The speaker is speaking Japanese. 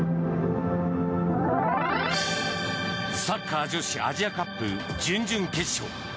サッカー女子アジアカップ準々決勝。